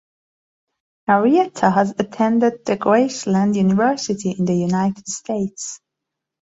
Arrieta has attended the Graceland University in the United States.